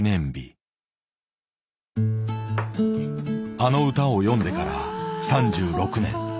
あの歌を詠んでから３６年。